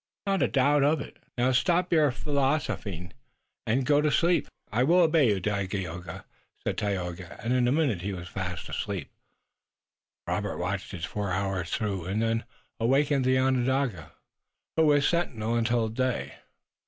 "Not a doubt of it. Now, stop your philosophizing and go to sleep." "I will obey you, Dagaeoga," said Tayoga, and in a minute he was fast asleep. Robert watched his four hours through and then awakened the Onondaga, who was sentinel until day.